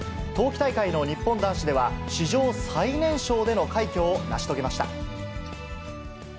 冬季大会の日本男子では、史上最年少での快挙を成し遂げました。